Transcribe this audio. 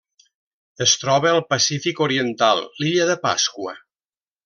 Es troba al Pacífic oriental: l'Illa de Pasqua.